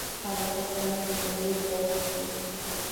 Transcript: هغه کسان چې د جګړې په وخت کې.